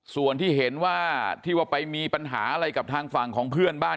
ส่วนที่เห็นว่าที่ว่าไปมีปัญหาอะไรกับทางฝั่งของเพื่อนบ้าน